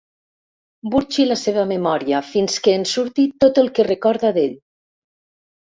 Burxi la seva memòria fins que en surti tot el que recorda d'ell.